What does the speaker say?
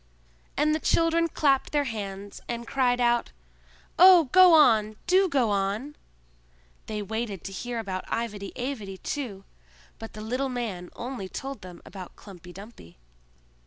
And the children clapped their hands, arid cried out, "Oh, go on! Do go on!" they waited to hear about Ivedy Avedy too, but the little man only told them about Klumpy Dumpy.